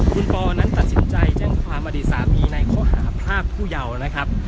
คุณปอนั้นตัดสินใจแจ้งความอดีตสามีในข้อหาพรากผู้เยาว์นะครับ